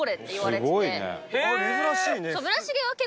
珍しいね